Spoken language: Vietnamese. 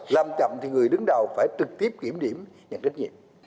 làm chậm thì người đứng đầu phải trực tiếp kiểm điểm nhận trách nhiệm